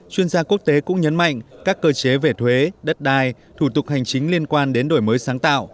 chuyên gia quốc tế cũng nhấn mạnh các cơ chế về thuế đất đai thủ tục hành chính liên quan đến đổi mới sáng tạo